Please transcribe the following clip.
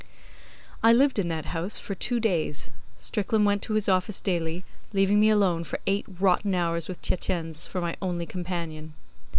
I lived in that house for two days. Strickland went to his office daily, leaving me alone for eight or ten hours with Tietjens for my only companion.